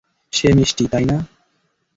সে মিষ্টি, তাই না?